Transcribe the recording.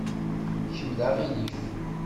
Kemm d aɣilif.